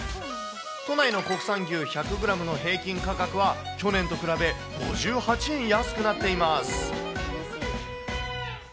都内の国産牛１００グラムの平均価格は、去年と比べ５８円安くなっています。